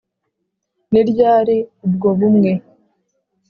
Ni ryari ubwo bumwe